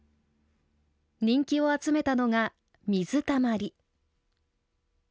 人気を集めたのが「水たまり」。